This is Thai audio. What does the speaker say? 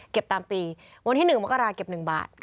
เก็บตามปีวันที่๑มกราศาสน์เก็บ๑บาท